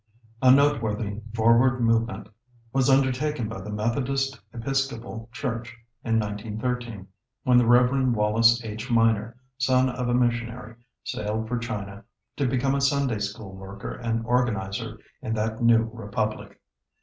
A noteworthy "forward movement" was undertaken by the Methodist Episcopal Church in 1913, when the Rev. Wallace H. Miner, son of a missionary, sailed for China, to become a Sunday School worker and organizer in that new republic.